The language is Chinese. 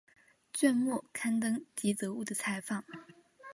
卷末刊登吉泽务的采访。